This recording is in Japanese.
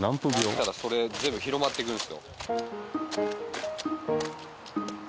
来たらそれ全部広まっていくんですよ。